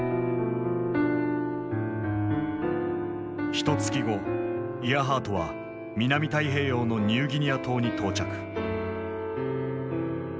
ひとつき後イアハートは南太平洋のニューギニア島に到着。